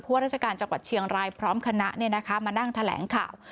ราชการจังหวัดเชียงรายพร้อมคณะมานั่งแถลงข่าว